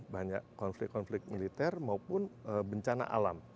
banyak konflik konflik militer maupun bencana alam